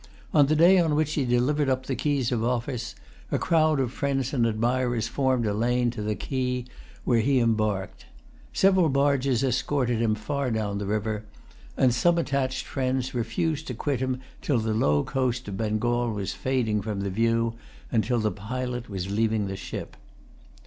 On the day on which he delivered up the keys of office, a crowd of[Pg 204] friends and admirers formed a lane to the quay where he embarked. Several barges escorted him far down the river; and some attached friends refused to quit him till the low coast of Bengal was fading from the view, and till the pilot was leaving the ship.